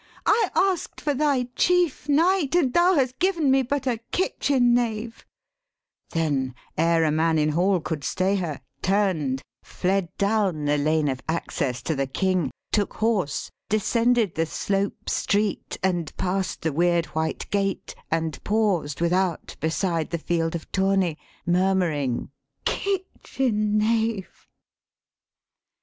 I ask'd for thy chief knight, And thou hast given me but a kitchen knave.' Then ere a man in hall could stay her, turn'd, Fled down the lane of access to the King, Took horse, descended the slope street, and past The weird white gate, and paused without, beside The field of tourney, murmuring 'kitchen knave.'